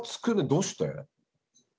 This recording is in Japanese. どうして？